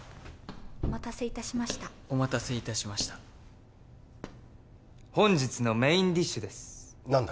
・お待たせいたしましたお待たせいたしました本日のメインディッシュです何だ